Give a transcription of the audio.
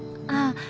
ああ。